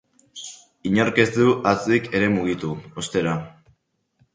Inork ez du hatzik ere mugitu, ostera.